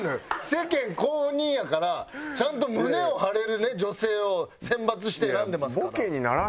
世間公認やからちゃんと胸を張れるね女性を選抜して選んでますから。